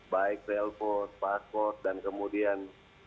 baik telepon paspor dan kemudian